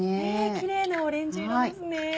キレイなオレンジ色ですね。